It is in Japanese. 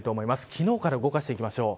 昨日から動かしていきましょう。